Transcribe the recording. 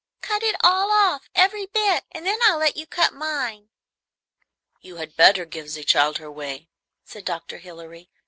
Cut it all off, every bit, and then I will let you cut mine." "You had better give ze child her way," said Dr. Hilary.